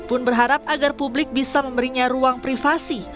pun berharap agar publik bisa memberinya ruang privasi